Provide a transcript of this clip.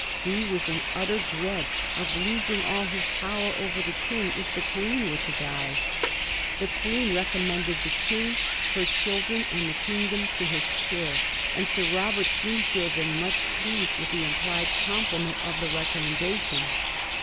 He was in utter dread of losing all his power over Xhe King if the Queen were to die. The Queen recommended the King, her children, and the kingdom to his care, and Sir Robert seems to have been much pleased with the implied compliment of the recommendation.